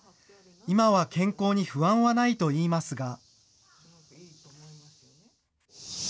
今は健康に不安はないといいますが。